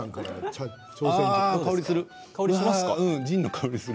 香りがする。